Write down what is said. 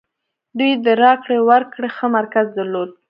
دوی د راکړې ورکړې ښه مرکز درلود.